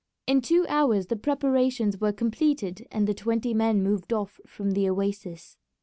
In two hours the preparations were completed and the twenty men moved off from the oasis.